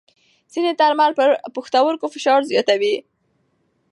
ځینې درمل پر پښتورګو فشار زیاتوي.